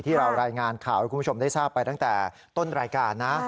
รายงานข่าวให้คุณผู้ชมได้ทราบไปตั้งแต่ต้นรายการนะ